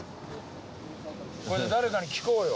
これで誰かに聞こうよ。